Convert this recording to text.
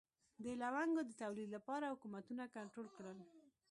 د لونګو د تولید لپاره حکومتونه کنټرول کړل.